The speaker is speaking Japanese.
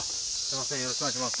よろしくお願いします